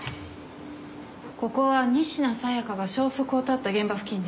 ここは仁科紗耶香が消息を絶った現場付近です。